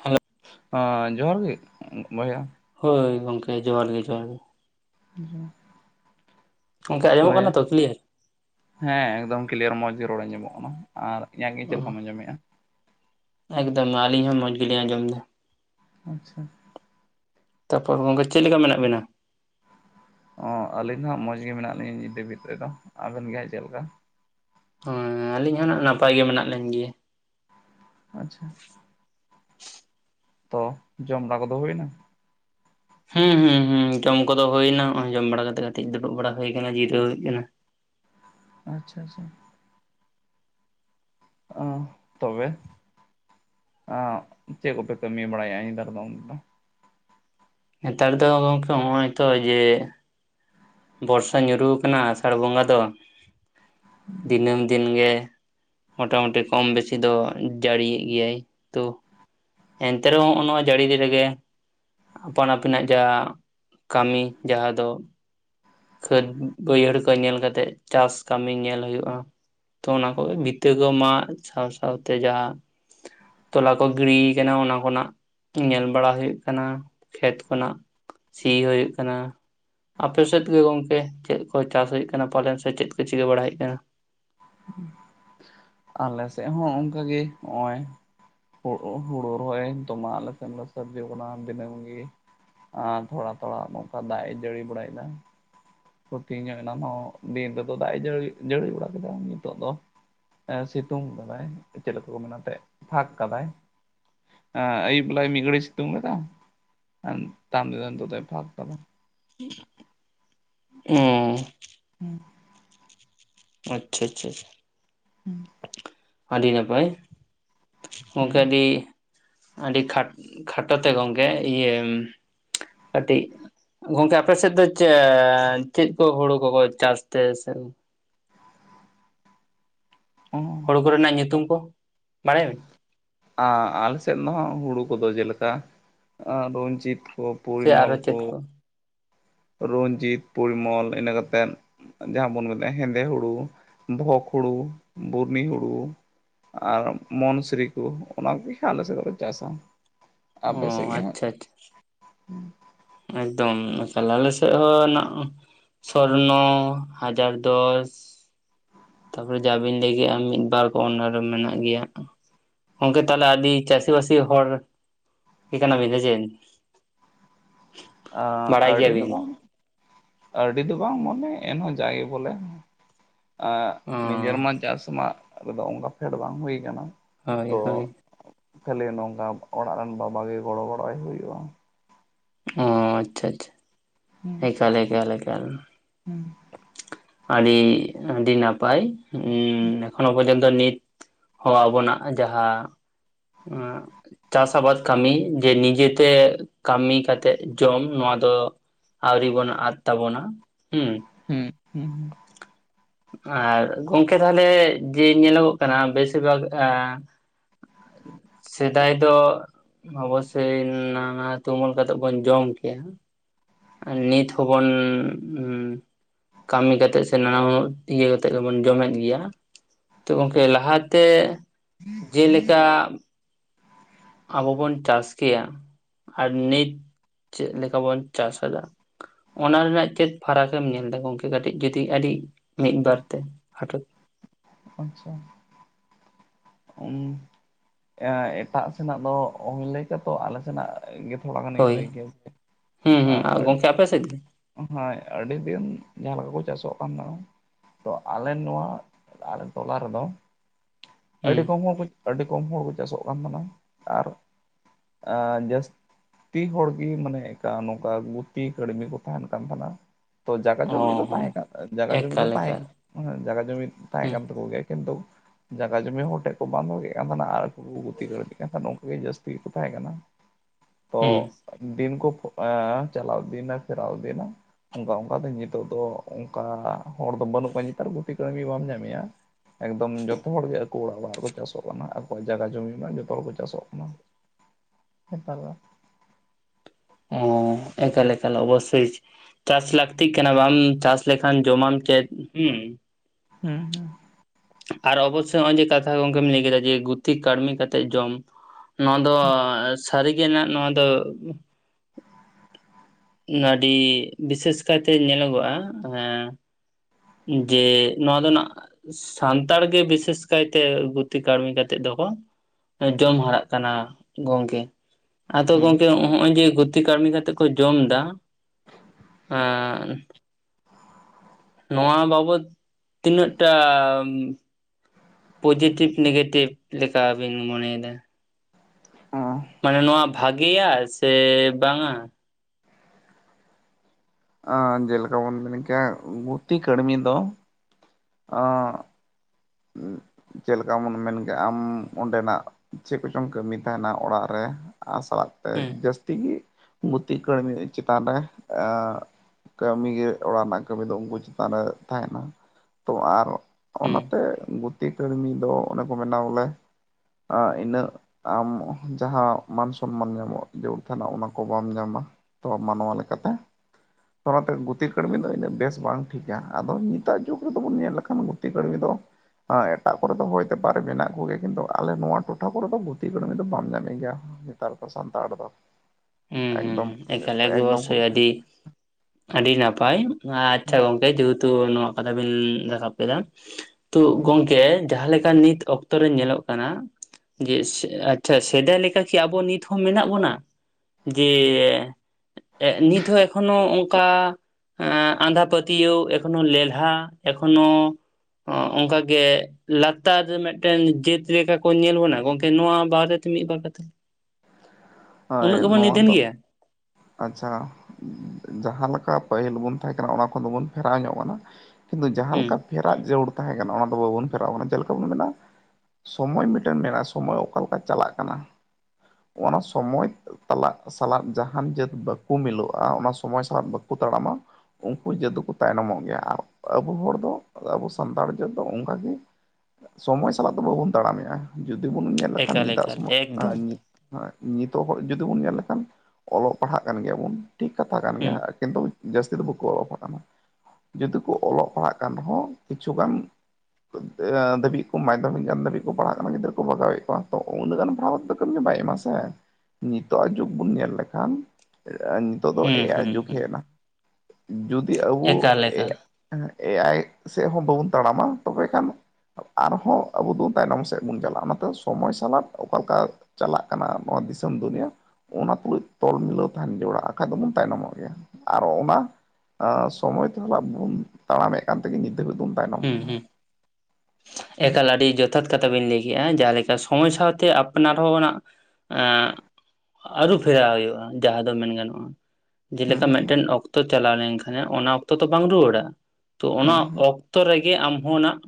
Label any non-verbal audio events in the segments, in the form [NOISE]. Hello [UNINTELLIGIBLE] ᱦᱮᱸ ᱡᱚᱦᱟᱨ ᱜᱮ ᱵᱚᱭᱦᱟ ᱦᱳᱭ ᱜᱚᱝᱠᱮ ᱡᱚᱦᱟᱨ ᱜᱮ ᱡᱚᱦᱟᱨ ᱜᱮ ᱡ [INAUDIBLE] ᱜᱚᱢᱠᱮ ᱟᱸᱢᱚᱜ ᱠᱟᱱᱟ ᱛᱚ ᱠᱞᱤᱭᱟᱨ ᱦᱮᱸ ᱮᱠᱫᱚᱢ ᱠᱞᱤᱭᱟᱨ ᱢᱚᱡᱽ ᱜᱮ ᱨᱚᱲ ᱟᱸᱢᱚᱜ ᱠᱟᱱᱟ ᱟᱨ ᱤᱟᱹᱜ ᱜᱮ ᱪᱮᱫ ᱞᱮᱠᱟᱢ ᱟᱸᱡᱚᱢᱮᱜᱼᱟ ᱮᱠᱫᱚᱢ [UNINTELLIGIBLE] ᱟᱞᱤᱧ ᱦᱚᱸ ᱢᱚᱡᱽ ᱜᱮᱞᱤ ᱡᱚᱢ ᱫᱚ ᱟᱪᱪᱷᱟ ᱛᱟᱯᱚᱨ ᱜᱚᱝᱠᱮ ᱪᱮᱫ ᱞᱮᱠᱟ ᱢᱮᱱᱟᱜ ᱵᱤᱱᱟ ᱚ ᱟᱹᱞᱤᱧ ᱫᱚ ᱦᱟᱸᱜ ᱢᱚᱡᱽ ᱜᱮ ᱢᱮᱱᱟᱜ ᱞᱤᱧᱟ ᱱᱤᱛ ᱦᱟᱹᱵᱤᱡ ᱛᱮ ᱫᱚ ᱟᱵᱮᱱ ᱜᱮ ᱦᱟᱸᱜ ᱪᱮᱫ ᱞᱮᱠᱟ ᱦᱮᱸ ᱟᱹᱞᱤᱧ ᱦᱚᱸᱜ ᱱᱟᱯᱟᱭ ᱜᱮ ᱢᱮᱱᱟᱜ ᱞᱤᱧ ᱜᱮ ᱟᱪᱷᱟ ᱛᱚ ᱡᱚᱢ ᱵᱟᱲᱟ ᱠᱚᱫᱚ ᱦᱩᱭ ᱮᱱᱟ᱾ ᱦᱩᱸ ᱦᱩᱸ ᱦᱩᱸ ᱡᱚᱢ ᱠᱚᱫᱚ ᱦᱩᱭᱮᱱᱟ ᱱᱚᱜᱚᱭ ᱡᱚᱢ ᱵᱟᱲᱟ ᱠᱟᱛᱮᱜ ᱠᱟᱹᱴᱤᱡ ᱫᱩᱲᱩᱵ ᱵᱟᱲᱟ ᱦᱩᱭᱟᱱᱟ ᱡᱤᱨᱟᱹᱣ ᱦᱩᱭ ᱟᱠᱟᱱᱟ ᱟᱪᱪᱷᱟ ᱟᱪᱪᱷᱟ ᱚ ᱛᱚᱵᱮ ᱪᱮᱫ ᱠᱚᱯᱮ ᱠᱟᱹᱢᱤ ᱵᱟᱲᱟᱭᱟ ᱱᱮᱛᱟᱨ ᱫᱚ ᱩᱱ ᱫᱚ ᱱᱮᱛᱟᱨ ᱫᱚ ᱜᱚᱝᱠᱮ ᱦᱚᱜᱼᱚᱭ ᱛᱚ ᱡᱮ ᱵᱚᱨᱥᱟ ᱧᱩᱨᱩ ᱟᱠᱟᱱᱟ ᱟᱥᱟᱲ ᱵᱚᱸᱜᱟ ᱫᱚ ᱫᱤᱱᱟᱹᱢ ᱫᱤᱱ ᱜᱮ ᱢᱚᱴᱟ ᱢᱩᱴᱤ ᱠᱚᱢ ᱵᱮᱥᱤ ᱫᱚ ᱡᱟᱹᱲᱤᱭᱮᱫ ᱜᱮᱭᱟᱭ ᱛᱚ ᱮᱱᱛᱮ ᱨᱮᱦᱚᱸᱜᱼᱚᱭ ᱱᱚᱣᱟ ᱡᱟᱹᱲᱤ ᱫᱤ ᱨᱮᱜᱮ ᱟᱯᱟᱱ ᱟᱹᱯᱤᱱᱟᱜ ᱡᱟᱦᱟᱸ ᱠᱟᱹᱢᱤ ᱡᱟᱦᱟᱸ ᱫᱚ ᱠᱷᱟᱹᱫᱽ ᱵᱟᱹᱭᱦᱟᱹᱲ ᱠᱚ ᱧᱮᱞ ᱠᱟᱛᱮᱜ ᱪᱟᱥ ᱠᱟᱹᱢᱤ ᱧᱮᱞ ᱦᱩᱭᱩᱜᱼᱟ ᱛᱚ ᱚᱱᱟ ᱠᱚᱜᱮ ᱵᱤᱛᱟᱹᱜᱟᱹ ᱢᱟᱜ ᱥᱟᱶ ᱥᱟᱶᱛᱮ ᱡᱟᱦᱟᱸ ᱛᱚᱞᱟ ᱠᱚ ᱜᱤᱲᱤᱭ ᱠᱟᱱᱟ ᱚᱱᱟ ᱠᱷᱚᱱᱟᱜ ᱧᱮᱞ ᱵᱟᱲᱟᱦᱩᱭᱩᱜ ᱠᱟᱱᱟ ᱠᱷᱮᱛ ᱠᱷᱚᱱᱟᱜ ᱥᱤ ᱦᱩᱭᱩᱜ ᱠᱟᱱᱟ ᱟᱯᱮ ᱥᱮᱫ ᱪᱮᱫ ᱜᱚᱝᱠᱮ ᱪᱮᱫ ᱠᱚ ᱪᱟᱥ ᱦᱩᱭᱩᱜ ᱠᱟᱱᱟ ᱯᱟᱞᱮᱱ ᱥᱮ ᱪᱮᱫ ᱠᱚ ᱪᱤᱠᱟᱹ ᱵᱟᱲᱟᱭ ᱦᱩᱭᱩᱜ ᱠᱟᱱᱟ ᱟᱞᱮ ᱥᱮᱫ ᱦᱚᱸ ᱚᱱᱠᱟᱜᱮ ᱱᱚᱜᱼᱚᱭ ᱦᱳᱲ ᱦᱩᱲᱩ ᱨᱚᱦᱚᱭ ᱛᱚᱢᱟᱜ ᱟᱞᱮ ᱥᱮᱱᱞᱮ ᱥᱚᱵᱡᱤ ᱠᱟᱱᱟ ᱫᱤᱱᱟᱹᱢ ᱜᱮ [UNINTELLIGIBLE] ᱟᱨ ᱛᱷᱚᱲᱟ ᱛᱷᱚᱲᱟ ᱱᱚᱝᱠᱟ ᱫᱟᱜ ᱮ ᱡᱟᱹᱲᱤ ᱵᱟᱲᱟᱭᱮᱫᱟ ᱠᱷᱚᱛᱤ ᱧᱚᱜ ᱮᱱᱟ ᱦᱚᱸ ᱫᱤᱱ ᱨᱮᱫᱚ ᱫᱟᱜ ᱮ ᱡᱟᱹᱲᱤ ᱵᱟᱲᱟ ᱠᱮᱫᱟ ᱱᱤᱛᱚᱜ ᱫᱚ ᱥᱤᱛᱩᱝ ᱟᱠᱟᱫᱟᱭ ᱪᱮᱫᱠᱟ ᱠᱚ ᱢᱮᱱᱟ ᱛᱮ ᱯᱷᱟᱸᱠ ᱠᱟᱫᱟᱭ ᱾ ᱟᱹᱭᱩᱵᱮᱞᱟ ᱢᱤᱫ ᱜᱷᱟ. ᱲᱤᱭ ᱥᱤᱛᱩᱝ ᱠᱮᱫᱟ ᱛᱟᱭᱚᱢ ᱫᱟᱨᱟᱢ ᱛᱮᱫᱚᱭ ᱯᱷᱟᱸᱠ ᱠᱟᱫᱟ᱾ ᱦᱩᱸ ᱦᱮᱸ ᱟᱪᱼᱪᱷᱟ ᱪᱷᱟ ᱪᱷᱟ ᱦᱩᱸ [INAUDIBLE] ᱟᱰᱤ ᱱᱟᱯᱟᱭ ᱜᱚᱢᱠᱮ ᱦᱩᱸ ᱟᱹᱰᱤ ᱟᱹᱰᱤ ᱠᱷᱟᱴᱚ ᱛᱮ ᱜᱚᱢᱠᱮ ᱤᱭᱟᱹ ᱠᱟᱹᱴᱤᱡ ᱜᱚᱝᱠᱮ ᱟᱯᱮ ᱥᱮᱫ ᱫᱚ ᱪᱮᱻ ᱪᱮᱫ ᱠᱚ ᱦᱩᱲᱩ ᱠᱚᱠᱚ ᱪᱟᱥ ᱛᱮ ᱥᱮ ᱚᱸᱦᱚ [INAUDIBLE] ᱠᱚᱨᱮᱱᱟᱜ ᱧᱩᱛᱩᱢ ᱠᱚ ᱵᱟᱲᱟᱭᱟ ᱵᱤᱱ ᱟ ᱟᱞᱮᱥᱮᱫ ᱫᱚ ᱦᱩᱲᱩ ᱠᱚᱫᱚ ᱡᱮᱞᱮᱠᱟᱟ ᱨᱚᱧ ᱡᱤᱛ ᱠᱚ ᱥᱮ ᱯᱚᱨᱤᱢᱚᱞ ᱟᱨᱚ ᱠᱚ ᱪᱮᱫ ᱨᱚᱧᱡᱤᱛ ᱯᱚᱨᱤᱢᱚᱞ ᱤᱱᱟᱹ ᱠᱟᱛᱮᱫ ᱡᱟᱦᱟᱸ ᱵᱚᱱ ᱢᱮᱱᱫᱟ ᱦᱮᱸᱫᱮ ᱦᱩᱲᱩ ᱵᱷᱚᱜᱽ ᱦᱩᱲᱩ ᱵᱩᱨᱱᱤ ᱦᱩᱲᱩ ᱟᱨ ᱢᱚᱱᱥᱨᱤ ᱚᱱᱟ ᱠᱚᱜᱮ ᱦᱟᱸᱜ ᱟᱞᱮ ᱥᱮᱫ ᱫᱚᱞᱮ ᱪᱟᱥᱟ᱾ ᱚ ᱟᱯᱮ ᱥᱮᱫ ᱜᱮ ᱦᱟᱸᱜ? ᱟᱪᱪᱷᱟ ᱟᱪᱪᱷᱟ ᱮᱠᱫᱚᱢ ᱟᱞᱮ ᱥᱮᱫ ᱦᱚᱸ ᱱᱟᱜ ᱥᱚᱨᱱᱚ ᱦᱟᱡᱟᱨ ᱫᱚᱥ ᱛᱟᱯᱚᱨᱮ ᱡᱟᱵᱤᱱ ᱞᱟᱹᱭ ᱠᱮᱫᱼᱟ ᱢᱤᱫᱵᱟᱨ ᱠᱚ ᱚᱱᱟ ᱨᱮ ᱢᱮᱱᱟᱜ ᱜᱮᱭᱟ ᱾ ᱜᱚᱝᱠᱮ ᱛᱟᱦᱚᱞᱮ ᱟᱹᱰᱤ ᱪᱟᱹᱥᱤᱵᱟᱹᱥᱤ ᱦᱚᱲ ᱜᱮ ᱠᱟᱱᱟ ᱵᱤᱱ ᱥᱮᱪᱮᱫ ᱵᱟᱲᱟᱭ ᱟᱹᱰᱤ ᱫᱚ ᱜᱮᱭᱟᱵᱤᱱ ᱵᱟᱝ ᱟᱹᱰᱤ ᱫᱚ ᱵᱟᱝ ᱢᱚᱱᱮ ᱮᱱᱦᱚᱸ ᱡᱟᱜᱮ ᱵᱚᱞᱮ ᱚ ᱱᱤᱡᱮᱨ ᱢᱟ ᱪᱟᱥ ᱢᱟ ᱨᱮᱫᱚ ᱩᱱ ᱚᱠᱛᱮ ᱫᱚ ᱵᱟᱝ ᱦᱩᱭ ᱠᱟᱱᱟ᱾ ᱦᱳᱭ ᱛᱚ ᱦᱳᱭ ᱠᱷᱟᱹᱞᱤ ᱱᱚᱝᱠᱟ ᱚᱲᱟᱜ ᱨᱮᱱ ᱵᱟᱵᱟᱭᱳ ᱦᱚᱲ ᱜᱚᱲᱚ ᱟᱭ ᱦᱩᱭᱩᱜᱼᱟ ᱾ ᱩᱸ ᱟᱪᱪᱷᱟ ᱟᱪᱷᱟ ᱦᱩᱸ ᱮᱠᱟᱞ ᱮᱠᱟᱞ ᱦᱩᱸ ᱟᱹᱰᱤ ᱟᱹᱰᱤ ᱱᱟᱯᱟᱭ ᱦᱩᱢ ᱮᱠᱷᱚᱱᱚ ᱯᱚᱨᱡᱚᱱᱛᱚ ᱱᱤᱛ ᱦᱚᱸ ᱟᱵᱚᱱᱟᱜ ᱡᱟᱦᱟᱸ ᱪᱟᱥ ᱟᱵᱟᱫ ᱠᱟᱢᱤ ᱡᱮ ᱱᱤᱡᱮᱛᱮ ᱠᱟᱢᱤ ᱠᱟᱛᱮᱜ ᱡᱚᱢ ᱱᱚᱶᱟ ᱫᱚ ᱟᱹᱣᱨᱤ ᱵᱚᱱ ᱟᱫ ᱛᱟᱵᱚᱱᱟ ᱦᱩᱸ ᱦᱩᱢᱸ ᱦᱩ ᱦᱩᱸ ᱟᱨ ᱜᱚᱝᱠᱮ ᱛᱟᱦᱞᱮ ᱡᱮ ᱧᱮᱞᱚᱜᱚᱜ ᱠᱟᱱᱟ ᱵᱮᱥᱤᱨ ᱵᱷᱟᱜᱽ ᱮᱸ ᱥᱮᱫᱟᱭ ᱫᱚ ᱚᱵᱚᱥᱭ ᱱᱟᱱᱟ ᱛᱩᱢᱟᱹᱞ ᱠᱟᱛᱮᱜ ᱵᱚᱱ ᱡᱚᱢ ᱠᱮᱭᱟ ᱾ ᱱᱤᱛ ᱦᱚᱵᱚᱱ ᱩᱸ ᱠᱟᱹᱢᱤ ᱠᱟᱛᱮᱫ ᱥᱮ ᱱᱟᱱᱟ ᱦᱩᱱᱟᱹᱨ ᱤᱭᱟᱹ ᱠᱟ ᱠᱟᱛᱮᱫ ᱜᱮᱵᱚᱱ ᱡᱚᱢᱮᱫ ᱜᱮᱭᱟ ᱛᱚ ᱜᱚᱝᱠᱮ ᱞᱟᱦᱟᱛᱮ ᱡᱮᱞᱮᱠᱟ ᱟᱵᱚ ᱵᱚᱱ ᱪᱟᱥ ᱠᱮᱭᱟ ᱟᱨ ᱱᱤᱛ ᱪᱮᱫ ᱞᱮᱠᱟ ᱵᱚᱱ ᱪᱟᱥ ᱮᱫᱟ ᱾ ᱚᱱᱟ ᱨᱮᱱᱟᱜ ᱪᱮᱫ ᱯᱷᱟᱨᱟᱠ ᱮᱢ ᱧᱮᱞ ᱫᱟ ᱜᱚᱝᱠᱮ ᱠᱟᱹᱴᱤᱡ ᱡᱩᱫᱤ ᱟᱰᱤ ᱢᱤᱫᱵᱟᱨ ᱛᱮ ᱠᱷᱟᱴᱚ ᱛᱮ ᱟᱪᱷᱟ ᱾ ᱩᱢᱢ ᱮᱴᱟᱜ ᱥᱮᱱᱟᱜ ᱫᱚ ᱚᱦᱚᱧ ᱞᱟᱹᱭ ᱠᱮᱭᱟ ᱛᱚ ᱟᱞᱮ ᱥᱮᱱᱟᱜ ᱤᱧ ᱜᱮ ᱛᱷᱚᱲᱟ ᱜᱟᱱᱤᱧ ᱦᱳᱭ ᱞᱟᱹᱭ ᱠᱮᱭᱟ ᱡᱮ ᱦᱩᱸ ᱦᱩᱸ ᱮᱸ ᱟᱹᱰᱤ ᱜᱚᱝᱠᱮ ᱟᱯᱮ ᱥᱮᱫ ᱜᱤ ᱦᱚᱭ ᱟᱹᱰᱤ ᱫᱤᱱ ᱡᱟᱦᱟᱸ ᱞᱮᱠᱟ ᱠᱚ ᱪᱟᱥᱚᱜ ᱠᱟᱱ ᱛᱚ ᱟᱞᱮ ᱱᱚᱣᱟ ᱟᱞᱮ ᱴᱚᱞᱟ ᱨᱮᱫᱚ ᱦᱩᱸ ᱟᱹᱰᱤ ᱠᱚᱢ ᱦᱚᱲᱠᱚ ᱟᱹᱰᱤ ᱠᱚᱢ ᱦᱚᱲ ᱠᱚ ᱪᱟᱥᱚᱜ ᱠᱟᱱ ᱛᱟᱦᱮᱱᱟ, ᱟᱨ ᱟᱸ ᱡᱟᱹᱥᱛᱤ ᱦᱚᱲᱜᱤ ᱢᱟᱱᱮ ᱮᱠᱟ ᱱᱚᱝᱠᱟ ᱜᱩᱛᱤ ᱠᱟᱹᱲᱢᱤ ᱠᱚ ᱛᱟᱦᱮᱱ ᱠᱟᱱ ᱛᱟᱦᱮᱱᱟ ᱛᱚ ᱡᱟᱜᱜᱟ ᱚ ᱡᱩᱢᱤ ᱫᱚ ᱦᱚᱸ ᱛᱟᱦᱮᱸ ᱠᱟᱱᱟ ᱡᱟᱜᱜᱟ ᱡᱩᱚᱢᱤ ᱫᱚ ᱮᱠᱟᱞ ᱛᱟᱦᱮᱸ ᱮᱠᱟᱞ ᱠᱟᱱᱟ ᱡᱟᱭᱜᱟ ᱡᱩᱢᱤ ᱛᱟᱦᱮᱸ ᱦᱩᱸ ᱠᱟᱱ ᱛᱟᱠᱩ ᱜᱮᱭᱟ ᱠᱤᱱᱛᱩ ᱡᱟᱭᱜᱟ ᱡᱚᱢᱤ ᱦᱚᱲ ᱴᱷᱮᱱ ᱠᱚ ᱵᱚᱱᱫᱷᱠᱮᱫ ᱠᱟᱱ ᱛᱟᱦᱮᱱᱟ ᱟᱨ ᱩᱱᱠᱩ ᱠᱚ ᱜᱩᱛᱤ ᱠᱟ. ᱲᱢᱤᱜ ᱠᱟᱱ ᱛᱟᱦᱮᱱᱟ ᱩᱱᱠᱩ ᱜᱮ ᱡᱟᱹᱥᱛᱤ ᱜᱮᱠᱩ ᱛᱟᱦᱮᱸ ᱠᱟᱱᱟ᱾ [UNINTELLIGIBLE] ᱛᱚ ᱦᱩᱸ ᱫᱤᱱ ᱠᱚ ᱮᱸ ᱪᱟᱞᱟᱣᱤᱫᱤᱱᱟ ᱪᱟᱞᱟᱣᱤᱫᱤᱱᱟ ᱵᱟᱝ ᱚᱱᱠᱟ ᱫᱚ ᱱᱤᱛᱚᱜ ᱫᱚ ᱚᱱᱠᱟ ᱦᱚᱲ ᱫᱚ ᱵᱟᱹᱱᱩᱜ ᱠᱚᱣᱟ ᱱᱮᱛᱟᱨ ᱜᱩᱛᱤ ᱠᱟᱹᱲᱢᱤ ᱵᱟᱢ ᱧᱟᱢᱮᱭᱟ᱾ ᱮᱠᱫᱚᱢ ᱡᱚᱛᱚ ᱦᱚᱲᱜᱮ ᱟᱠᱚ ᱚᱲᱟᱜ ᱨᱮᱠᱚ ᱪᱟᱥᱚᱜ ᱠᱟᱱᱟ᱾ ᱟᱠᱚᱣᱟᱜ ᱡᱟᱭᱜᱟ ᱡᱚᱢᱤ ᱨᱮᱱᱟᱜ ᱡᱚᱛᱚ ᱦᱚᱲ ᱠᱚ ᱪᱟᱥᱚᱜ ᱠᱟᱱᱟ᱾ [UNINTELLIGIBLE] ᱦᱮᱛᱟᱞ-ᱟ ᱮᱸ ᱮᱠᱟᱞ ᱮᱠᱟᱞ ᱚᱵᱚᱥᱳᱭ ᱪᱟᱥ ᱞᱟᱹᱠᱛᱤᱜ ᱠᱟᱱᱟ ᱵᱟᱢ ᱪᱟᱥ ᱞᱮᱠᱷᱟᱱ ᱡᱚᱢᱟᱢ ᱪᱮᱫ? ᱦᱩᱸ ᱦᱩᱸ ᱦᱩᱸ᱾ ᱟᱨ ᱚᱵᱚᱥᱳᱭ ᱱᱚᱜᱼᱚᱭ ᱡᱮ ᱠᱟᱛᱷᱟ ᱜᱚᱝᱠᱮᱢ ᱞᱟᱹᱭ ᱠᱮᱫᱟ ᱡᱮ ᱜᱩᱛᱤ ᱠᱟᱹᱲᱢᱤ ᱠᱟᱛᱮᱜ ᱡᱚᱢ᱾ ᱱᱚᱣᱟ ᱫᱚ ᱥᱟᱹᱨᱤᱜᱮ ᱱᱟᱜ ᱱᱚᱣᱟ ᱫᱚ, ᱟᱹᱰᱤ ᱵᱤᱥᱮᱥ ᱠᱟᱭᱛᱮ ᱧᱮᱞᱚᱜᱚᱜᱼᱟ, ᱦᱮᱸ᱾ ᱡᱮ ᱱᱚᱣᱟ ᱫᱚ ᱱᱟᱜ ᱥᱟᱱᱛᱟᱲ ᱜᱮ ᱵᱤᱥᱮᱥ ᱠᱟᱭᱛᱮ ᱜᱩᱛᱤ ᱠᱟᱹᱲᱢᱤ ᱠᱟᱛᱮᱜ ᱫᱚᱠᱚ ᱡᱚᱢ ᱦᱟᱨᱟᱜ ᱠᱟᱱᱟ ᱜᱚᱝᱠᱮ, ᱟᱫᱚ ᱦᱩᱸ ᱜᱚᱝᱠᱮ ᱦᱚᱜᱼᱚᱭ ᱡᱮ ᱜᱩᱛᱤ ᱠᱟᱹᱲᱢᱤ ᱠᱟᱛᱮᱜ ᱠᱚ ᱡᱚᱢ ᱮᱫᱟ ᱱᱚᱣᱟ ᱵᱟᱵᱚᱛ ᱛᱤᱱᱟᱹᱜᱴᱟ ᱯᱚᱡᱮᱴᱤᱵᱷ ᱱᱮᱜᱮᱴᱤᱵᱷ ᱞᱮᱠᱟᱵᱤᱱ ᱢᱚᱱᱮᱭᱮᱫᱟ᱾ ᱦᱚᱸ ᱢᱟᱱᱮ ᱱᱚᱣᱟ ᱵᱷᱟᱜᱮᱭᱟ ᱥᱮ ᱵᱟᱝᱟ? ᱟᱸ ᱡᱮᱞᱮᱠᱟ ᱵᱚᱱ ᱢᱤᱱᱮᱜᱠᱟᱱ ᱜᱩᱛᱤ ᱠᱟᱹᱲᱢᱤ ᱫᱚ ᱚᱸᱻ [UNINTELLIGIBLE] ᱪᱮᱞᱠᱟ ᱢᱮᱱ ᱢᱮᱱ ᱜᱮᱭᱟ ᱟᱢ ᱚᱸᱰᱮᱱᱟᱜ ᱪᱮᱫ ᱛᱮᱪᱚᱢ ᱠᱟᱹᱢᱤ ᱛᱟᱦᱮᱱᱟ ᱚᱲᱟᱜ ᱨᱮ ᱟᱨ ᱥᱟᱞᱟᱜ ᱛᱮ ᱦᱩᱸ ᱡᱟᱹᱥᱛᱤ ᱜᱤ ᱜᱩᱛᱤ ᱠᱟᱹᱲᱢᱤ ᱪᱮᱛᱟᱱ ᱨᱮ ᱟᱸ ᱠᱟᱹᱢᱤᱜᱮ ᱚᱲᱟᱜ ᱨᱮᱱᱟᱜ ᱠᱟᱹᱢᱤ ᱫᱚ ᱩᱱᱠᱩ ᱪᱮᱛᱟᱱ ᱨᱮ ᱛᱟᱦᱮᱸᱱᱟ ᱛᱚ ᱟᱨ ᱦᱩᱸ ᱚᱱᱟ ᱜᱩᱛᱤ ᱠᱟᱹᱲᱢᱤ ᱫᱚ ᱚᱱᱮ ᱠᱚ ᱢᱮᱱᱟ ᱵᱚᱞᱮ ᱤᱱᱟᱹᱜ ᱟᱢ ᱡᱟᱦᱟᱸ ᱢᱟᱱ ᱥᱚᱱᱢᱟᱱ ᱧᱟᱢᱚᱜ ᱡᱟᱹᱨᱩᱲ ᱛᱟᱦᱮᱸᱱᱟ ᱚᱱᱟ ᱠᱚ ᱵᱟᱢ ᱧᱟᱢᱟ᱾ ᱛᱚ ᱢᱟᱱᱚᱣᱟ ᱞᱮᱠᱟᱛᱮ ᱚᱱᱟᱛᱮ ᱜᱩᱛᱤ ᱠᱟᱹᱲᱢᱤ ᱫᱚ ᱤᱱᱟᱹᱜ ᱵᱮᱥ ᱵᱟᱝ ᱴᱷᱤᱠᱟ᱾ ᱟᱫᱚ ᱱᱤᱛᱟᱜ ᱡᱩᱜᱽ ᱨᱮᱫᱚ ᱵᱚᱱ ᱧᱮᱞ ᱞᱮᱠᱷᱟᱱ ᱜᱩᱛᱤ ᱠᱟᱹᱲᱢᱤ ᱫᱚ ᱦᱮᱸ ᱮᱴᱟᱜ ᱠᱚᱨᱮᱫᱚ ᱦᱚᱭᱛᱮ ᱯᱟᱨᱮ ᱢᱮᱱᱟᱜ ᱠᱚᱜᱮᱭᱟ᱾ ᱠᱤᱱᱛᱩ ᱟᱞᱮ ᱱᱚᱣᱟ ᱴᱚᱴᱷᱟ ᱠᱚᱨᱮ ᱫᱚ ᱜᱩᱛᱤ ᱠᱟᱹᱢᱤ ᱫᱚ ᱵᱟᱢ ᱧᱟᱢᱮ ᱜᱮᱭᱟ᱾ ᱱᱮᱛᱟᱨ ᱫᱚ ᱥᱟᱱᱛᱟᱲ ᱫᱚ ᱦᱩᱸ ᱦᱩᱸ ᱮᱠᱫᱚᱢ ᱦᱩᱸ ᱮᱠᱟᱞ ᱮᱠ ᱮᱠᱫᱚᱢ ᱚᱵᱚᱥᱥᱳᱭ ᱟᱹᱰᱤ ᱟᱹᱰᱤ ᱱᱟᱯᱟᱭ ᱟᱪᱷᱟ ᱜᱚᱢᱠᱮ ᱡᱮᱦᱮᱛᱩ ᱱᱚᱣᱟ ᱠᱟᱛᱷᱟ ᱵᱤᱱ ᱨᱟᱠᱟᱵ ᱠᱮᱫᱟ᱾ ᱛᱚ ᱜᱚᱝᱠᱮ ᱡᱟᱦᱟᱸ ᱞᱮᱠᱟ ᱱᱤᱛ ᱚᱠᱛᱚ ᱨᱮ ᱧᱮᱞᱚᱜ ᱠᱟᱱᱟ ᱡᱮ ᱥᱮ ᱟᱪᱷᱟ ᱥᱮᱫᱟᱭ ᱞᱮᱠᱟ ᱠᱤ ᱟᱵᱚ ᱱᱤᱛ ᱦᱚᱸ ᱢᱮᱱᱟᱜ ᱵᱚᱱᱟ? ᱡᱮ ᱱᱤᱛ ᱦᱚᱸ ᱮᱠᱷᱚᱱᱳ ᱚᱱᱠᱟ ᱟᱸᱫᱷᱟ ᱯᱟᱹᱛᱭᱟᱹᱣ ᱮᱠᱷᱚᱱᱳ ᱞᱮᱞᱦᱟ ᱮᱠᱷᱚᱱᱳ ᱚᱱᱠᱟᱜᱮ ᱞᱟᱛᱟᱨ ᱨᱮ ᱢᱤᱫᱴᱮᱱ ᱡᱟᱹᱛ ᱞᱮᱠᱟ ᱠᱚ ᱧᱮᱞ ᱵᱚᱱᱟ ᱜᱚᱝᱠᱮ ᱱᱚᱣᱟ ᱵᱟᱨᱮᱛᱮ ᱢᱤᱫ ᱵᱟᱨ ᱠᱟᱛᱷᱟ [UNINTELLIGIBLE] ᱩᱱᱟᱹᱜ ᱦᱳᱭ ᱜᱮᱵᱚᱱ ᱱᱚᱣᱟ ᱱᱤᱫᱷᱟᱹᱱ ᱫᱚ ᱜᱮᱭᱟ ᱟᱪᱷᱟ ᱡᱟᱸᱦᱟ ᱞᱮᱠᱟ ᱯᱟᱹᱦᱤᱞ ᱵᱚᱱ ᱛᱟᱦᱮᱸ ᱠᱟᱱᱟ᱾ ᱚᱱᱟ ᱠᱚᱫᱚᱵᱚᱱ ᱯᱷᱮᱨᱟᱣ ᱧᱚᱜ ᱠᱟᱱᱟ᱾ ᱠᱤᱱᱛᱩ ᱡᱟᱦᱟᱸ ᱦᱩᱸ ᱞᱮᱠᱟ ᱯᱷᱮᱨᱟᱣ ᱡᱟᱹᱨᱩᱲ ᱛᱟᱦᱮᱸ ᱠᱟᱱᱟ᱾ ᱚᱱᱟ ᱫᱚ ᱵᱟᱵᱚᱱ ᱯᱷᱮᱨᱟᱣ ᱠᱟᱱᱟ ᱡᱮᱞᱟᱠᱟ ᱵᱚᱱ ᱢᱮᱱᱟ᱾ ᱥᱚᱢᱚᱭ ᱢᱤᱫᱴᱮᱱ ᱢᱮᱱᱟᱜᱼᱟ, ᱥᱚᱢᱚᱭ ᱚᱠᱟᱞᱮᱠᱟ ᱪᱟᱞᱟᱜ ᱠᱟᱱᱟ᱾ ᱚᱱᱟ ᱥᱚᱢᱚᱭ ᱛᱟᱞᱟᱜ ᱥᱟᱞᱟᱜ ᱡᱟ ᱡᱟᱦᱟᱱ ᱡᱟᱹᱛ ᱵᱟᱠᱚ ᱢᱤᱞᱚᱜ-ᱟ ᱚᱱᱟ ᱥᱚᱢᱚᱭ ᱥᱟᱛ ᱵᱟᱠᱚ ᱛᱟᱲᱟᱢᱟ ᱩᱱᱠᱩ ᱡᱚᱛᱚ ᱠᱚ ᱛᱟᱭᱱᱚᱢᱚᱜ ᱜᱮᱭᱟ ᱟᱨ ᱟᱵᱚ ᱦᱚᱲ ᱫᱚ ᱟᱫᱚ ᱟᱵᱚ ᱥᱟᱱᱛᱟᱲ ᱡᱟᱹᱛ ᱫᱚ ᱚᱱᱠᱟᱜᱮ, ᱥᱚᱢᱚᱭ ᱥᱟᱞᱟᱜ ᱫᱚ ᱵᱟᱵᱚᱱ ᱛᱟᱲᱟᱢᱮᱜ-ᱟ᱾ ᱡᱩᱫᱤ ᱵᱚᱱ ᱧᱮᱞ ᱞᱮᱠᱷᱟᱱ ᱮᱠᱟᱞ ᱱᱤᱛᱟᱜ ᱮᱠᱟᱞ ᱥᱚᱢᱚᱭ ᱮᱠᱫᱚᱢ ᱟᱸ ᱱᱤᱛᱚᱜ ᱡᱩᱫᱤ ᱵᱚᱱ ᱧᱮᱞ ᱞᱮᱠᱷᱟᱱ ᱚᱞᱚᱜ ᱯᱟᱲᱦᱟᱜ ᱠᱟᱱ ᱜᱮᱭᱟᱵᱚᱱ ᱴᱷᱤᱠ ᱠᱟᱛᱷᱟ ᱠᱟᱱ ᱜᱮᱭᱟ᱾ ᱦᱩᱸ ᱠᱤᱱᱛᱩ ᱡᱟᱹᱥᱛᱤ ᱫᱚ ᱵᱟᱠᱚ ᱚᱞᱚᱜ ᱯᱟᱲᱦᱟᱜ ᱠᱟᱱᱟ᱾ ᱡᱚᱫᱤ ᱠᱚ ᱚᱞᱚᱜ ᱯᱟᱲᱦᱟᱜ ᱠᱟᱱ ᱨᱮᱦᱚᱸ ᱠᱤᱪᱷᱩᱜᱟᱱ ᱫᱷᱟᱹᱵᱤᱡ ᱠᱚ ᱢᱟᱫᱽᱫᱷᱚᱢᱤᱠ ᱜᱮᱭᱟᱱ ᱫᱷᱟᱹᱵᱤᱡ ᱠᱚ ᱯᱟᱲᱦᱟᱜ ᱠᱟᱱᱟ ᱜᱤᱫᱽᱨᱟᱹ ᱠᱚ ᱵᱟᱜᱟᱣᱮᱫ ᱠᱚᱣᱟ ᱛᱚ ᱩᱱᱟᱹᱜ ᱜᱟᱱ ᱯᱟᱲᱦᱟᱣᱛᱮᱫ ᱠᱟᱹᱢᱤ ᱵᱟᱭ ᱮᱢᱟ ᱥᱮ ᱥᱮ ᱱᱤᱛᱚᱜ ᱟᱜ ᱡᱩᱜᱽ ᱵᱚᱱ ᱧᱮᱞ ᱞᱮᱠᱷᱟᱱ ᱱᱤᱛᱚᱜ ᱫᱚ ᱦᱩᱸ ᱮ ᱟᱭ ᱦᱩᱸ ᱡᱩᱜᱽ ᱦᱩᱸ ᱦᱮᱡ ᱮᱱᱟ ᱡᱩᱫᱤ ᱟᱵᱚ ᱮᱠᱟᱞ ᱛᱮ ᱮᱠᱟᱞ ᱮ ᱟᱭ ᱥᱮᱫ ᱦᱚᱸ ᱵᱟᱵᱚᱱ ᱛᱟᱲᱟᱢᱟ ᱛᱚᱵᱮ ᱠᱷᱟᱱ ᱟᱨᱦᱚᱸ ᱟᱵᱚ ᱫᱚ ᱛᱟᱭᱱᱚᱢ ᱥᱮᱫ ᱵᱚᱱ ᱪᱟᱞᱟᱜᱼᱟ ᱚᱱᱟᱛᱮ ᱥᱚᱢᱚᱭ ᱥᱟᱞᱟᱜ ᱚᱠᱟ ᱞᱮᱠᱟ ᱪᱟᱞᱟᱜ ᱠᱟᱱᱟ ᱱᱚᱣᱟ ᱫᱤᱥᱚᱢ ᱫᱩᱱᱤᱭᱟᱹ ᱚᱱᱟ ᱛᱩᱞᱩᱡ ᱛᱚᱞ ᱢᱤᱞᱟᱹᱣ ᱛᱟᱦᱮᱱ ᱡᱚᱲᱟᱜ ᱵᱟᱠᱷᱟᱡ ᱫᱚᱵᱚᱱ ᱛᱟᱭᱱᱚᱢᱚᱜ ᱜᱮᱭᱟ ᱟᱨ ᱚᱱᱟ ᱥᱚᱢᱚᱭ ᱛᱮ ᱦᱟᱸᱜ ᱵᱦᱩᱞ ᱛᱟᱲᱟᱢᱮᱫ ᱠᱟᱱ ᱛᱮᱜᱮ ᱱᱤᱛ ᱫᱷᱟᱹᱵᱤᱡ ᱵᱚᱱ ᱛᱟᱭᱱᱚᱢ ᱠᱟᱱᱟ ᱦᱩᱸ ᱮᱠᱟᱞᱟ ᱟᱹᱰᱤ ᱡᱚᱛ ᱡᱚᱛᱷᱟᱛ ᱠᱟᱛᱷᱟ ᱵᱮᱤᱱ ᱞᱟᱹᱭ ᱠᱮᱫᱮᱜᱼᱟ ᱡᱟᱦᱟᱸᱞᱮᱠᱟ ᱥᱚᱢᱚᱭ ᱥᱟᱶᱛᱮ ᱟᱯᱱᱟᱨ ᱦᱚᱸ ᱚᱱᱟ ᱟᱹᱨᱩ ᱯᱷᱮᱨᱟᱣ ᱦᱩᱭᱩᱜᱼᱟ ᱡᱟᱦᱟᱸ ᱫᱚ ᱢᱮᱱ ᱜᱟᱱᱚᱜᱼᱟ ᱦᱩᱸ ᱡᱮᱞᱮᱠᱟ ᱢᱤᱫᱴᱮᱱ ᱚᱠᱛᱚ ᱪᱟᱞᱟᱣ ᱞᱮᱱᱠᱷᱟᱱ ᱚᱱᱟ ᱚᱠᱛᱚ ᱛᱚ ᱵᱟᱝ ᱨᱩᱣᱟᱹᱲᱟ ᱛᱚ ᱚᱱᱟ ᱦᱩᱸ ᱚᱠᱛᱚ ᱨᱮᱜ ᱟᱢᱦᱚᱱᱟᱜ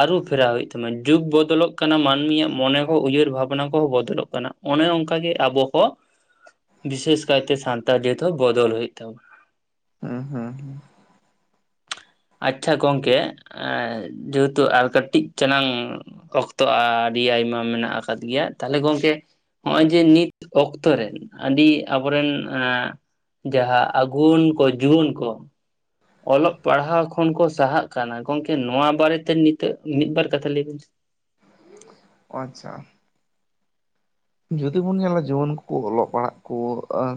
ᱟᱹᱨᱩ ᱯᱷᱮᱨᱟᱣ ᱦᱩᱭᱩᱜ ᱛᱟᱢᱟ ᱡᱩᱜ ᱵᱚᱫᱚᱞᱚᱜ ᱠᱟᱱᱟ ᱢᱟᱹᱱᱢᱤᱭᱟᱜ ᱢᱚᱱᱮ ᱠᱚ ᱩᱭᱦᱟᱹᱨ ᱵᱷᱟᱵᱱᱟ ᱠᱚᱦᱚᱸ ᱵᱚᱫᱚᱞᱚᱜ ᱠᱟᱱᱟ ᱚᱱᱮ ᱚᱱᱠᱟᱜ ᱜᱮ ᱟᱵᱚ ᱦᱚᱸ ᱵᱤᱥᱮᱥ ᱠᱟᱭᱛᱮ ᱥᱟᱱᱛᱟᱲ ᱡᱟᱹᱛ ᱦᱚᱸ ᱵᱚᱫᱚᱞ ᱦᱩᱭᱩᱜ ᱛᱟᱵᱚᱱᱟ ᱦᱮᱸ ᱦᱮᱸ ᱦᱮᱸ ᱟᱪᱷᱟ ᱜᱚᱝᱠᱮ ᱡᱮᱦᱮᱛᱩ ᱟᱨ ᱠᱟᱹᱴᱤᱡ ᱪᱟᱞᱟᱝ ᱚᱠᱛᱚ ᱟᱹᱰᱤ ᱟᱭᱢᱟ ᱢᱮᱱᱟᱜ ᱟᱠᱟᱫ ᱜᱮᱭᱟ ᱛᱟᱦᱚᱞᱮ ᱜᱚᱢᱠᱮ ᱱᱚᱜᱼᱚᱭ ᱡᱮ ᱱᱤᱛ ᱚᱠᱛᱚᱨ ᱨᱮᱱ ᱟᱹᱰᱤ ᱟᱵᱚᱨᱮᱱ ᱡᱟᱦᱟᱸ ᱟᱹᱜᱩᱱ ᱠᱚ ᱡᱩᱣᱟᱹᱱ ᱠᱚ ᱚᱞᱚᱜ ᱯᱟᱲᱦᱟᱣ ᱠᱷᱚᱱ ᱠᱚ ᱥᱟᱦᱟᱜ ᱠᱟᱱᱟ ᱜᱚᱢᱠᱮ ᱱᱚᱣᱟ ᱵᱟᱨᱮᱛᱮ ᱱᱤᱛᱚᱜ ᱢᱤᱫᱵᱟᱨ ᱠᱟᱛᱷᱟ ᱞᱟᱹᱭᱵᱤᱱ ᱟᱪᱷᱟ ᱡᱩᱫᱤ ᱵᱚᱱ ᱧᱮᱞᱟ ᱡᱩᱣᱟᱹᱱ ᱠᱚᱠᱚ ᱚᱞᱚᱜ ᱯᱟᱲᱦᱟᱜ ᱠᱚ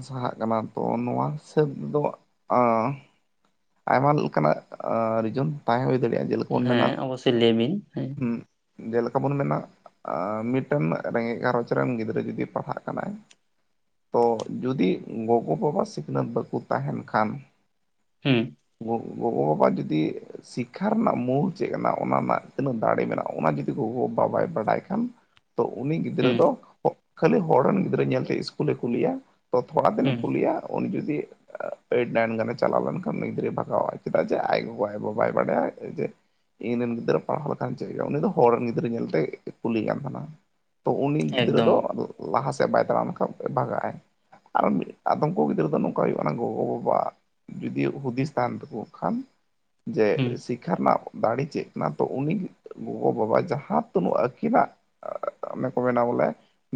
ᱥᱟᱦᱟᱜ ᱠᱟᱱᱟ ᱛᱚ ᱱᱚᱣᱟ ᱦᱤᱥᱟᱹᱵ ᱫᱚ ᱚ ᱟᱭᱢᱟ ᱞᱮᱠᱟᱱᱟᱜ ᱨᱤᱡᱚᱱ ᱛᱟᱦᱮᱸ ᱦᱩᱭ ᱫᱟᱲᱮᱭᱟᱜᱼᱟ ᱡᱮᱞᱮᱠᱟ ᱵᱚᱱ ᱢᱮᱱᱟ ᱦᱮᱸ ᱚᱵᱚᱥ ᱥᱚᱭ ᱞᱟᱹᱭ ᱵᱤᱱ ᱦᱮᱸ ᱡᱮᱞᱮᱠᱟ ᱵᱚᱱ ᱢᱮᱱᱟ ᱢᱤᱫᱴᱮᱱ ᱨᱮᱸᱜᱮᱡ ᱜᱷᱟᱨᱚᱸᱧᱡᱽ ᱨᱮᱱ ᱜᱤᱫᱽᱨᱟᱹ ᱡᱚᱫᱤ ᱯᱟᱲᱦᱟᱜ ᱠᱟᱱᱟᱭ ᱛᱚ ᱡᱩᱫᱤ ᱜᱚᱜᱚ ᱵᱟᱵᱟ ᱥᱤᱠᱷᱱᱟᱹᱛ ᱵᱟᱠᱚ ᱛᱟᱦᱮᱱ ᱠᱷᱟᱱ ᱦᱮᱸ ᱜᱚ ᱜᱚᱜᱚᱵᱟᱵᱟ ᱡᱩᱫᱤ ᱥᱤᱠᱷᱟ ᱨᱮᱱᱟᱜ ᱢᱩᱞ ᱪᱮᱫ ᱠᱟᱱᱟ ᱚᱱᱟ ᱨᱮᱱᱟᱜ ᱛᱤᱱᱟᱹᱜ ᱫᱟᱲᱮ ᱢᱮᱱᱟᱜᱼᱟ ᱚᱱᱟ ᱡᱩᱫᱤ ᱜᱚᱜᱚᱵᱟᱵᱟᱭ ᱵᱟᱰᱟᱭ ᱠᱷᱟᱱ ᱛᱚ ᱩᱱᱤ ᱜᱤᱫᱽᱨᱟᱹ ᱦᱩᱸ ᱫᱚ ᱠᱷᱟᱹᱞᱤ ᱦᱚᱲ ᱨᱤᱱ ᱜᱤᱫᱽᱨᱟᱹ ᱧᱮᱞᱛᱮ ᱤᱥᱠᱩᱞᱮ ᱠᱩᱞᱤᱭᱟ ᱛᱚ ᱛᱷᱚᱲᱟ ᱫᱤᱱᱮ ᱦᱩᱸ ᱠᱩᱞᱤᱭᱟ ᱩᱱᱤ ᱡᱩᱫᱤ ᱮᱭᱤᱴ ᱱᱟᱭᱤᱱ ᱜᱟᱱᱮ ᱪᱟᱞᱟᱣ ᱞᱮᱱᱠᱷᱟᱱ ᱩᱱᱤ ᱜᱤᱫᱽᱨᱟᱹᱭ ᱵᱟᱜᱟᱣᱼᱟᱭ ᱪᱮᱫᱟᱜ ᱡᱮ ᱟᱡ ᱜᱚᱜᱚ ᱟᱡ ᱵᱟᱵᱟᱭ ᱵᱟᱲᱟᱭᱟ ᱡ ᱤᱧ ᱨᱮᱱ ᱜᱤᱫᱽᱨᱟᱹ ᱯᱟᱲᱦᱟᱣ ᱞᱮᱠᱷᱟᱱ ᱪᱮᱫ ᱦᱩᱭᱩᱜᱼᱟ ᱩᱱᱤ ᱫᱚ ᱦᱚᱲ ᱨᱮᱱ ᱜᱤᱫᱽᱨᱟᱹ ᱧᱮᱞᱛᱮ ᱠᱩᱞᱤᱭᱮ ᱠᱟᱱᱟ ᱛᱚ ᱩᱱᱤ ᱜᱤᱫᱽᱨᱟᱹ ᱮᱠᱫᱚᱢ ᱫᱚ ᱞᱟᱦᱟ ᱥᱮᱫ ᱵᱟᱭ ᱛᱟᱲᱟᱢ ᱞᱮᱱᱠᱷᱟᱱ ᱵᱷᱟᱜᱟᱜᱼᱟᱭ ᱟᱨ ᱢᱤᱫ ᱟᱫᱚᱢ ᱠᱚ ᱜᱤᱫᱽᱨᱟᱹ ᱫᱚ ᱱᱚᱝᱠᱟ ᱦᱩᱭᱩᱜ ᱠᱟᱱᱟ ᱜᱚᱜᱚᱵᱟᱵᱟ ᱡᱩᱫᱤ ᱦᱩᱫᱤᱥ ᱛᱟᱦᱮᱱ ᱛᱟᱠᱚ ᱠᱷᱟᱱ ᱡᱮ ᱦᱩᱸ [UNINTELLIGIBLE] ᱥᱤᱠᱷᱟ ᱨᱮᱱᱟᱜ ᱫᱟᱲᱮ ᱪᱮᱫ ᱠᱟᱱᱟ ᱛᱚ ᱩᱱᱤ ᱜᱚᱜᱚᱵᱟᱵᱟ ᱡᱟᱦᱟᱸ ᱛᱤᱱᱟ. ᱜ ᱟᱹᱠᱤᱱᱟᱜ ᱟ ᱚᱱᱮ ᱠᱚ ᱢᱮᱱᱟ ᱵᱚᱞᱮ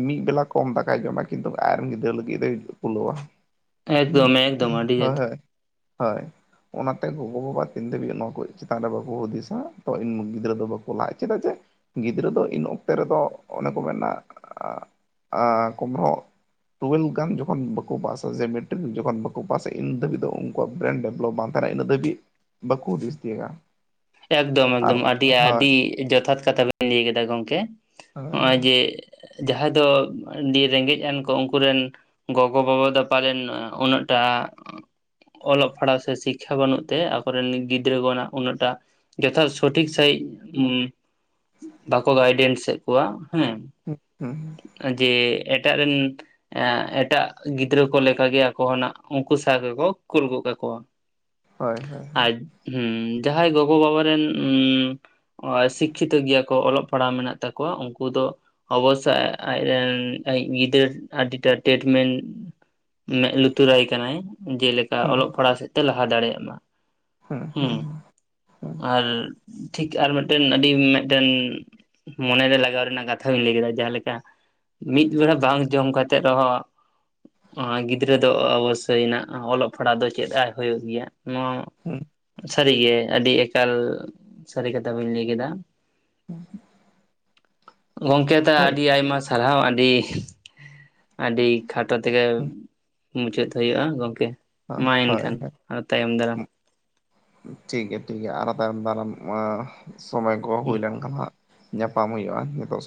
ᱢᱤᱫ ᱵᱮᱞᱟ ᱠᱚᱢ ᱫᱟᱠᱟᱭ ᱡᱚᱢᱟ ᱠᱤᱱᱛᱩ ᱟᱡ ᱨᱮᱱ ᱜᱤᱫᱽᱨᱟᱹ ᱞᱟᱹᱜᱤᱫ ᱫᱚᱭ ᱠᱩᱞᱟᱹᱣᱟ ᱦᱳᱭ ᱮᱠᱫᱚᱢ ᱮᱠᱫᱚᱢ ᱟᱹᱰᱤ ᱡᱚᱛᱷᱟᱛ ᱦᱳᱭ ᱦᱳᱭ ᱚᱱᱟᱛᱮ ᱜᱚᱜᱚᱼᱵᱟᱵᱟ ᱛᱤᱱ ᱫᱷᱟᱹᱵᱤᱡ ᱱᱚᱣᱟ ᱠᱚ ᱪᱮᱛᱟᱱ ᱨᱮ ᱵᱟᱠᱚ ᱦᱩᱫᱤᱥᱟ ᱛᱚ ᱩᱱ ᱜᱤᱫᱽᱨᱟᱹ ᱫᱚ ᱵᱟᱠᱚ ᱞᱟᱦᱟᱜᱼᱟ ᱪᱮᱫᱟᱜ ᱡᱮ ᱜᱤᱫᱽᱨᱟᱹ ᱫᱚ ᱤᱱ ᱚᱠᱛᱮ ᱨᱮᱫᱚ ᱚᱱᱮ ᱠᱚ ᱢᱮᱱᱟ ᱠᱳᱢᱨᱚ ᱴᱩᱭᱮᱞᱵᱷ ᱜᱟᱱ ᱡᱚᱠᱷᱚᱱ ᱵᱟᱠᱚ ᱯᱟᱥᱟ ᱡᱮ ᱢᱮᱴᱨᱤᱠ ᱡᱚᱠᱷᱚᱱ ᱵᱟᱠᱚ ᱯᱟᱥᱟ ᱤᱱ ᱫᱷᱟᱹᱵᱤᱡ ᱫᱚ ᱟᱠᱚᱣᱟᱜ ᱵᱨᱮᱱᱰ ᱰᱮᱵᱷᱞᱚᱯ ᱵᱟᱝ ᱛᱟᱦᱮᱱᱟ ᱤᱱᱟᱹ ᱫᱷᱟᱹᱵᱤᱡ ᱵᱟᱠᱚ ᱦᱩᱫᱤᱥ ᱛᱤᱭᱟᱜᱟ ᱮᱠᱫᱚᱢ ᱮᱠᱫᱚᱢ ᱟᱹᱰᱤ ᱟᱹᱰᱤ ᱡᱚᱛᱷᱟᱛ ᱠᱟᱛᱷᱟ ᱵᱤᱱ ᱞᱟᱹᱭ ᱠᱮᱫᱟ ᱜᱚᱢᱠᱮ ᱦᱳᱭ ᱦᱳᱭ ᱦᱚᱜᱼᱚᱭ ᱡᱮ ᱡᱟᱦᱟᱸᱭ ᱫᱚ ᱫᱤᱭᱟᱹ ᱨᱮᱸᱜᱮᱡ ᱟᱱ ᱠᱚ ᱩᱱᱠᱩᱨᱮᱱ ᱜᱚᱜᱚ ᱵᱟᱵᱟ ᱫᱚ ᱯᱟᱞᱮᱱ ᱩᱱᱟᱹᱜ ᱴᱟᱜ ᱚᱞᱚᱜ ᱯᱟᱲᱦᱟᱣ ᱥᱮ ᱥᱤᱠᱠᱷᱟ ᱵᱟᱹᱱᱩᱜ ᱛᱮ ᱟᱠᱚ ᱨᱮᱱ ᱜᱤᱫᱽᱨᱟᱹ ᱠᱚᱱᱟᱜ ᱩᱱᱟᱹᱜᱴᱟ ᱡᱚᱛᱷᱟᱛ ᱥᱚᱴᱷᱤᱠ ᱥᱟᱹᱦᱤᱡ ᱩᱢ ᱵᱟᱠᱚ ᱜᱟᱭᱰᱮᱱᱥ ᱮᱜ ᱠᱚᱣᱟ ᱦᱮᱸ᱾ ᱦᱩᱜ ᱦᱩᱸ ᱡᱮ ᱮᱴᱟᱜ ᱨᱮᱱ ᱮᱜ ᱮᱴᱟᱜ ᱜᱤᱫᱽᱨᱟᱹ ᱠᱚ ᱞᱮᱠᱟ ᱜᱮ ᱟᱠᱚᱱᱟᱜ ᱩᱱᱠᱩ ᱥᱟᱶ ᱜᱮᱠᱚ ᱠᱩᱞ ᱜᱚᱜ ᱠᱟᱠᱚᱣᱟ᱾ ᱦᱳᱭ ᱦᱳᱭ ᱟᱨ ᱦᱚᱸ ᱡᱟᱦᱟᱸᱭ ᱜᱚᱜᱚᱼᱵᱟᱵᱟ ᱨᱮᱱ ᱚ ᱥᱤᱠᱠᱷᱤᱛᱚ ᱜᱮᱭᱟ ᱠᱚ ᱚᱞᱚᱜ ᱯᱟᱲᱦᱟᱣ ᱢᱮᱱᱟᱜ ᱛᱟᱠᱚᱣᱟ ᱩᱱᱠᱩ ᱫᱚ ᱚᱵᱚᱥᱭ ᱟ-ᱟᱡᱨᱮᱱ ᱟ-ᱤ ᱜᱤᱫᱟᱹᱨ ᱟᱹᱰᱤᱴᱟ ᱴᱮᱴᱢᱮᱱ ᱢᱮᱜ ᱞᱩᱛᱩᱨ ᱟᱭ ᱠᱟᱱᱟᱭ ᱡᱮᱞᱮᱠᱟ ᱦᱩᱸ ᱚᱞᱚᱜ ᱯᱟᱲᱦᱟᱣ ᱥᱮᱫ ᱛᱮᱭ ᱞᱟᱦᱟ ᱫᱟᱲᱮᱭᱟᱜ ᱢᱟ᱾ ᱦᱩᱸ ᱦᱩᱸ ᱟᱨ ᱴᱷᱤᱠ ᱟᱨ ᱢᱤᱫᱴᱮᱱ ᱟᱹᱰᱤ ᱢᱤᱫᱴᱮᱱ ᱢᱚᱱᱮᱨᱮ ᱞᱟᱜᱟᱣ ᱨᱮᱱᱟᱜ ᱠᱟᱛᱷᱟ ᱵᱮᱱ ᱞᱟᱹᱭ ᱠᱮᱫᱟ ᱡᱟᱦᱟᱸ ᱞᱮᱠᱟ ᱢᱤᱫ ᱵᱮᱲᱟ ᱵᱟᱝ ᱡᱚᱢ ᱠᱟᱛᱮᱜ ᱨᱮᱦᱚᱸ ᱚᱸ ᱜᱤᱫᱽᱨᱟᱹ ᱫᱚ ᱚ-ᱚᱵᱚᱥᱥᱳᱭ ᱮᱱᱟ ᱚᱞᱚᱜ ᱯᱟᱲᱦᱟᱜ ᱫᱚ ᱪᱮᱫ ᱟᱭ ᱦᱩᱭᱩᱜ ᱜᱮᱭᱟ ᱱᱚᱣᱟ ᱦᱩ ᱥᱟᱹᱨᱤᱜᱮ ᱟᱹᱰᱤ ᱮᱠᱟᱞ ᱥᱟᱹᱨᱤ ᱠᱟᱛᱷᱟ ᱵᱤᱱ ᱞᱟᱹᱭ ᱠᱮᱫᱟ᱾ ᱩᱸᱦ ᱜᱚᱢᱠᱮ ᱛᱟ ᱟᱹᱰᱤ ᱟᱭᱢᱟ ᱥᱟᱨᱦᱟᱣ᱾ ᱟᱹᱰᱤ, ᱟᱹᱰᱤ᱾ ᱠᱷᱟᱴᱚ ᱛᱮᱜᱮ ᱦᱩᱸ ᱢᱩᱪᱟᱹᱫ ᱦᱩᱭᱩᱜᱼᱟ ᱜᱚᱝᱠᱮ᱾ ᱚ ᱢᱟ ᱦᱳᱭ ᱮᱱᱠᱷᱟᱱ ᱦᱳᱭ, ᱟᱨᱚ ᱛᱟᱭᱚᱢ ᱫᱟᱨᱟᱢ ᱦᱩᱸ᱾ ᱴᱷᱤᱠᱜᱮᱭᱟ ᱴᱷᱤᱠᱜᱮᱭᱟ ᱟᱨ ᱵᱟᱨᱟᱢ ᱚᱸ ᱥᱚᱢᱚᱭ ᱠᱚᱦᱚ ᱦᱩᱭ ᱞᱮᱱᱠᱷᱟᱱ ᱦᱟᱸᱜ ᱧᱟᱯᱟᱢ ᱦᱩᱭᱩᱜᱼᱟ, ᱱᱤᱛᱚᱜ ᱥᱚ